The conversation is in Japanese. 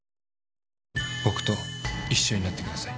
僕と一緒になってください。